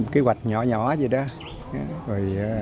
kế hoạch nhỏ nhỏ vậy đó